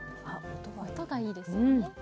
音がいいですね。